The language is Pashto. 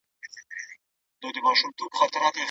تر هغه وخته به ټولنپوهنه ډیره وده کړې وي.